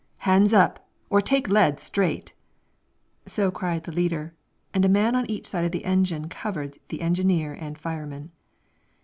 "Hands up, or take lead straight!" So cried the leader, and a man on each side of the engine covered the engineer and fireman.